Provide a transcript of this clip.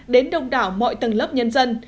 đến đông đảo mọi tầng lớp nhân dân